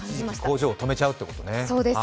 工場を止めちゃうということね。